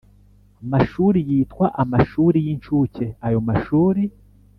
mashuri yitwa amashuri y incuke Ayo mashuri